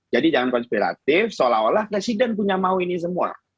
jadi jangan konspiratif seolah olah presiden punya mau ini semua